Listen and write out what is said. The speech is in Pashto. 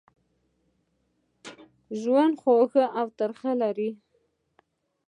ژوند خوږې ترخې لري.